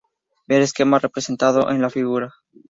Ver esquema representado en la figura.